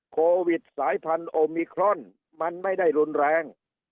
โควิดสายพันธุ์โอมิครอนมันไม่ได้รุนแรง